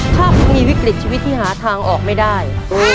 ถ้าคุณมีวิกฤตชีวิตที่หาทางออกไม่ได้